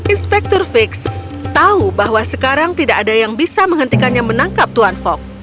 inspektur fix tahu bahwa sekarang tidak ada yang bisa menghentikannya menangkap tuan fog